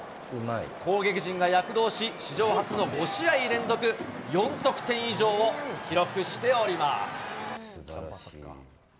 攻撃陣が躍動し、史上初の５試合連続４得点以上を記録しております。